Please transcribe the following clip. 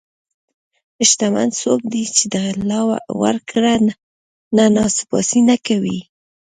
شتمن څوک دی چې د الله ورکړه نه ناسپاسي نه کوي.